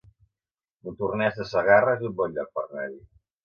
Montornès de Segarra es un bon lloc per anar-hi